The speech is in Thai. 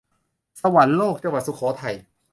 สวรรคโลก จังหวัดสุโขทัย